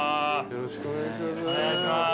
よろしくお願いします。